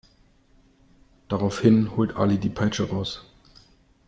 Daraufhin holt Ali die Peitsche raus.